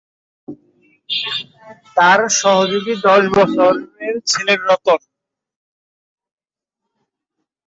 তার সহযোগী দশ বছরের ছেলে রতন।